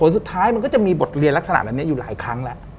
สุดท้ายมันก็จะมีบทเรียนลักษณะแบบนี้อยู่หลายครั้งแล้ว